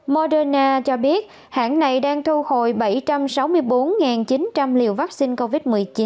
moderna cho biết hãng này đang thu hồi bảy trăm sáu mươi bốn chín trăm linh liều vaccine covid một mươi chín